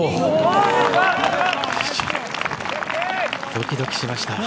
ドキドキしました。